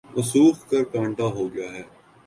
وہ سوکھ کر کانٹا ہو گیا ہے